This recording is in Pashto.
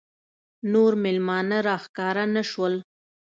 نور مېلمانه راښکاره نه شول.